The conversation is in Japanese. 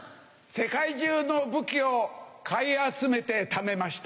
世界中の武器を買い集めてためました。